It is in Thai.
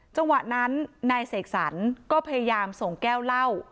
จังหวะนั้นนายเสกสรรก็พยายามส่งแก้วเหล้า